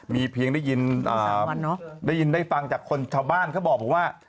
มีเพียงได้ยินได้ยินได้ฟังจากคนชาวบ้านเขาบอกว่า